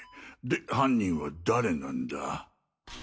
で犯人は誰なんだ？